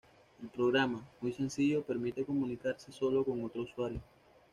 El programa, muy sencillo, permite comunicarse sólo con otro usuario.